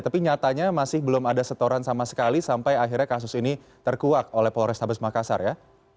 tapi nyatanya masih belum ada setoran sama sekali sampai akhirnya kasus ini terkuak oleh polrestabes makassar ya